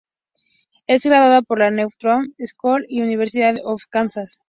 Es graduada por la New Trier High School y la University of Kansas.